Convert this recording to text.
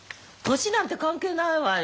年なんて関係ないわよ。